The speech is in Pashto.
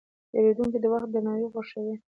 پیرودونکی د وخت درناوی خوښوي.